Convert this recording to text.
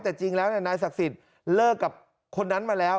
แต่จริงแล้วนายศักดิ์สิทธิ์เลิกกับคนนั้นมาแล้ว